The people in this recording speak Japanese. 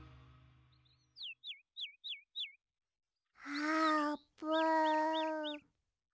あーぷん。